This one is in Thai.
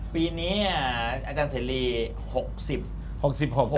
ปีนี้อาจารย์เสรี